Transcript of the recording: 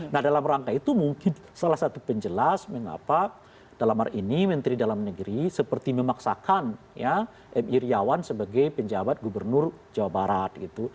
nah dalam rangka itu mungkin salah satu penjelas mengapa dalam hari ini menteri dalam negeri seperti memaksakan ya m iryawan sebagai penjabat gubernur jawa barat